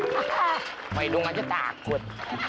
ha ha maidung aja takut